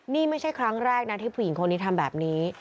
นี่ไม่ใช่ครั้งแรกนะที่ผู้หญิงคนนี้ทำแบบนี้